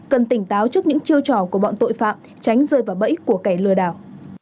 cần tỉnh táo trước những chiêu trò của bọn tội phạm tránh rơi vào bẫy của kẻ lừa đảo